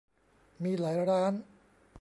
มีหลายร้าน